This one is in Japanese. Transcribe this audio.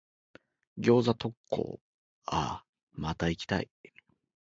餃子特講、あぁ、また行きたい。